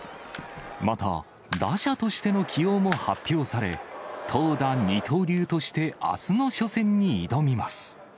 また、打者としての起用も発表され、投打二刀流として、あすの初戦に挑みます。